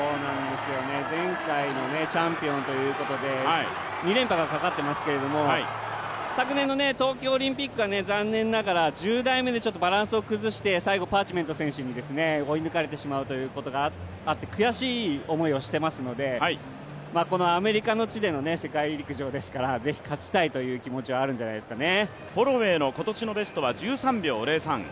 前回のチャンピオンということで、２連覇がかかってますけれども昨年の東京オリンピックは残念ながら１０台目でバランスを崩して、最後、パーチメント選手に追い抜かれてしまうということがあって悔しい思いをしていますのでアメリカの地での世界陸上ですから、ぜひ勝ちたいという気持ちはあるんじゃないですかね。